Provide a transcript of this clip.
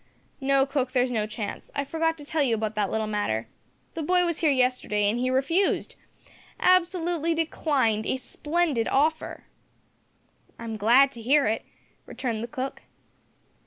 "No, cook, there is no chance. I forgot to tell you about that little matter. The boy was here yesterday and he refused absolutely declined a splendid offer." "I'm glad to hear it," returned the cook.